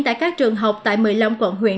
tại các trường học tại một mươi năm quận huyện